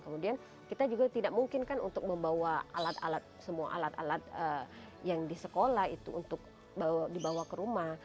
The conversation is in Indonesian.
kemudian kita juga tidak mungkin kan untuk membawa alat alat semua alat alat yang di sekolah itu untuk dibawa ke rumah